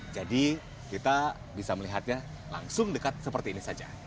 jadi kita bisa melihatnya langsung dekat seperti ini saja